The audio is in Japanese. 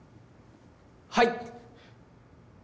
はい！